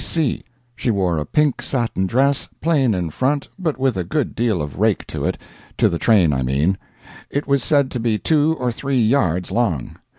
C. She wore a pink satin dress, plain in front but with a good deal of rake to it to the train, I mean; it was said to be two or three yards long.